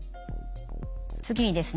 次にですね